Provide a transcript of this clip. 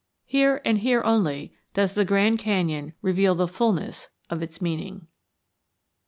Here, and here only, does the Grand Canyon reveal the fulness of its meaning.